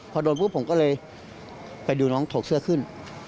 พอโดนพวกผมไปดูน้องกู้ภัยโถกเสื้อขึ้น